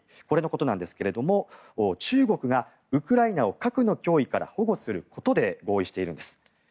これのことなんですが中国がウクライナを核の脅威から保護することで合意しているんです。